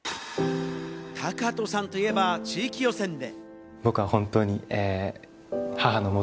タカトさんといえば地域予選で。